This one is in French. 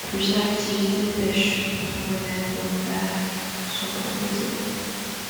Plusieurs activités — pêche, promenade en barque... — sont proposées.